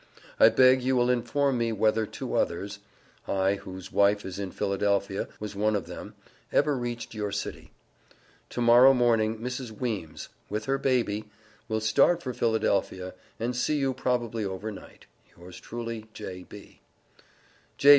I beg you will inform me whether two others (I., whose wife is in Philadelphia, was one of them), ever reached your city. To morrow morning Mrs. Weems, with her baby, will start for Philadelphia and see you probably over night. Yours Truly, J.B. "J.